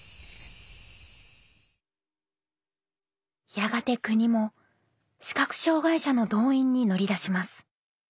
やがて国も視覚障害者の動員に乗り出します。